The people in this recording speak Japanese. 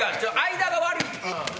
間が悪い。